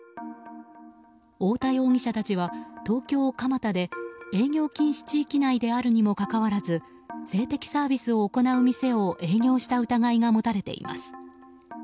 大田容疑者たちは東京・蒲田で営業禁止地域内であるにもかかわらず性的サービスを行う店を営業した疑いが持たれています。